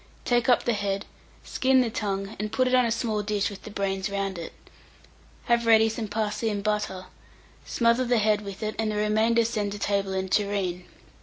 Take up the head, skin the tongue, and put it on a small dish with the brains round it. Have ready some parsley and butter, smother the head with it, and the remainder send to table in a tureen.